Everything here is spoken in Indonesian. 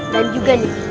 dan juga nih